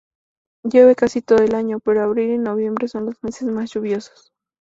Llueve casi todo el año, pero abril y noviembre son los meses más lluviosos.